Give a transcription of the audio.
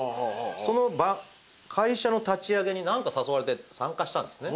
その会社の立ち上げに何か誘われて参加したんですね。